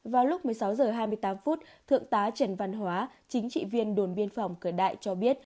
vào lúc một mươi sáu h hai mươi tám thượng tá trần văn hóa chính trị viên đồn biên phòng cửa đại cho biết